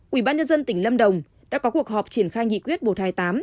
quỹ ban nhân dân tỉnh lâm đồng đã có cuộc họp triển khai nghị quyết bộ thai tám